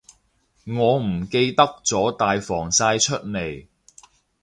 我唔記得咗帶防曬出嚟